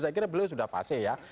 saya kira beliau sudah fase ya